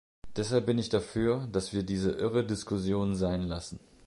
Deshalb bin ich dafür, dass wir diese irre Diskussion sein lassen.